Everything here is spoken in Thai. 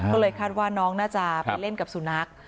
ก็เลยคาดว่าน้องน่าจะไปเล่นกับสุนัข